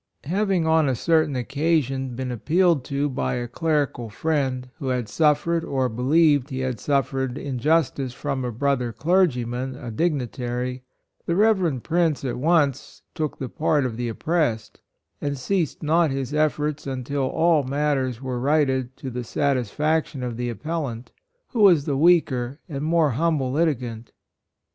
Having, on a certain occasion, been appealed to by a clerical friend, who had suffered or be lieved he had suffered injustice from a brother clergyman, a dig nitary ; the Reverend Prince at once took the part of the oppressed, and ceased not his efforts until all matters were righted to the satis faction of the appellant, who was the weaker and more humble liti gant.